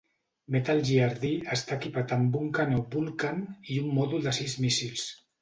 Metal Gear D està equipat amb un canó Vulcan i un mòdul de sis míssils.